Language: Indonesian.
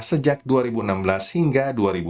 sejak dua ribu enam belas hingga dua ribu dua puluh satu